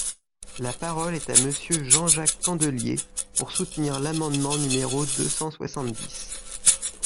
La parole est à Monsieur Jean-Jacques Candelier, pour soutenir l’amendement numéro deux cent soixante-dix.